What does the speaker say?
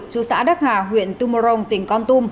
chú xã đắc hà huyện tư mô rồng tỉnh con tum